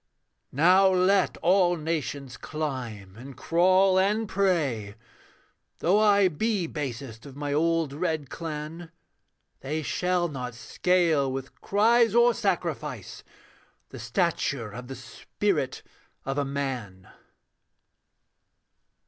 'Now let all nations climb and crawl and pray; Though I be basest of my old red clan, They shall not scale, with cries or sacrifice, The stature of the spirit of a man.'